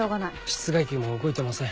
室外機も動いてません。